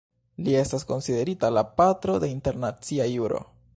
Li estas konsiderita la "patro de internacia juro".